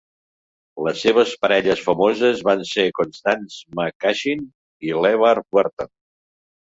Les seves parelles famoses van ser Constance McCashin i LeVar Burton.